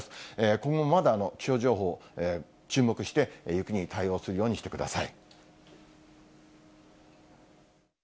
今後もまだ気象情報、注目して雪に対応するようにしてください。